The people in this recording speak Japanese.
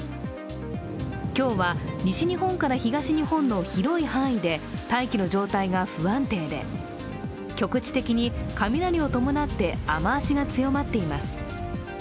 今日は西日本から東日本の広い範囲で大気の状態が不安定で、局地的に雷を伴って雨足が強まっています。